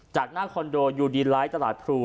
จากหน้าคอนโดยูดีนไลท์ตลาดพลู